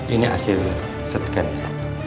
ini hasil set kan ya